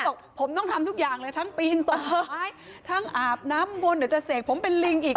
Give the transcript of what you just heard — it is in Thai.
บอกผมต้องทำทุกอย่างเลยทั้งปีนต้นไม้ทั้งอาบน้ำวนเดี๋ยวจะเสกผมเป็นลิงอีก